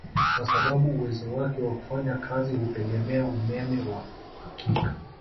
Kwa sababu uwezo wake wa kufanya kazi hutegemea umeme wa uhakika